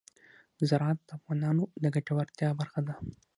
زراعت د افغانانو د ګټورتیا برخه ده.